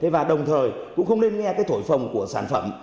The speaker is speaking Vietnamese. và đồng thời cũng không nên nghe cái thổi phòng của sản phẩm